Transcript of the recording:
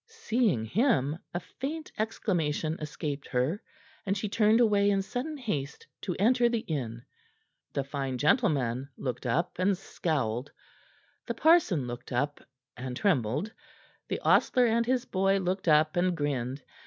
Seeing him, a faint exclamation escaped her, and she turned away in sudden haste to enter the inn. The fine gentleman looked up and scowled; the parson looked up and trembled; the ostler and his boy looked up and grinned.